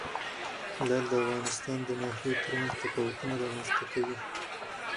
لعل د افغانستان د ناحیو ترمنځ تفاوتونه رامنځ ته کوي.